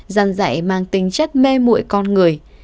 dân dạy mang tính chất mê mụi con người